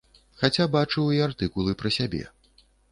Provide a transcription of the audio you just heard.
Хаця бачыў і артыкулы пра сябе.